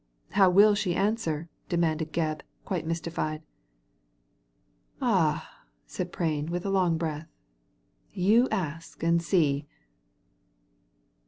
''How will she answer?" demanded Gebb, quite mystified ''Ahl said Prain, with a long breath, "you ask and see.